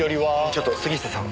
ちょっと杉下さん。